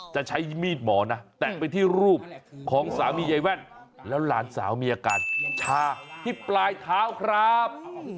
จะใช้มีดหมอนะแตะไปที่รูปของสามีใยแว่นแล้วหลานสาวมีอาการชาที่ปลายเท้าครับ